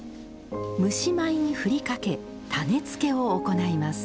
蒸し米に振りかけ種付けを行います